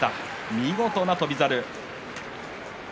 見事な翔猿。